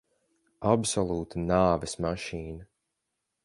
Absolūta nāves mašīna.